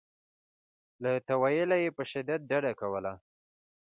له تأویله یې په شدت ډډه کوله.